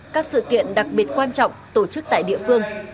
các sự kiện đặc biệt quan trọng tổ chức tại địa phương